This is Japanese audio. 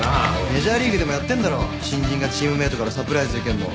メジャーリーグでもやってんだろ新人がチームメートからサプライズ受けんの。